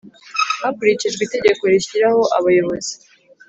hakurikijwe itegeko rishyiraho abayobozi